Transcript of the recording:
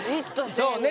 そうね